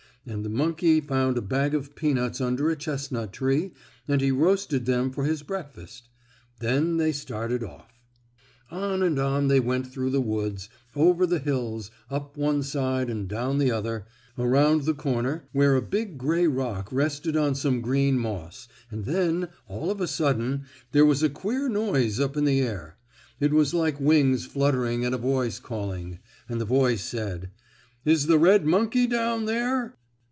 And the monkey found a bag of peanuts under a chestnut tree and he roasted them for his breakfast. Then they started off. On and on they went through the woods, over the hills, up one side and down the other, around the corner, where a big gray rock rested on some green moss, and then, all of a sudden, there was a queer noise up in the air. It was like wings fluttering and a voice calling. And the voice said: "Is the red monkey down there?"